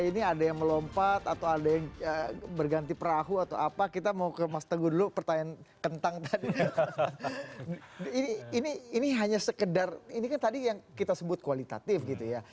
ini kan tadi yang kita sebut kualitatif gitu ya